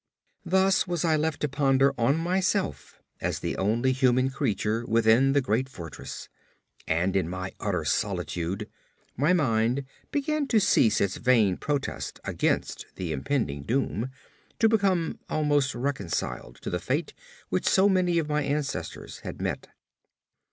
Thus was I left to ponder on myself as the only human creature within the great fortress, and in my utter solitude my mind began to cease its vain protest against the impending doom, to become almost reconciled to the fate which so many of my ancestors had met.